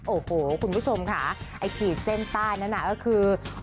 โอ้โหคุณผู้ชมค่ะไอ้ขีดเส้นใต้นั้นน่ะก็คือ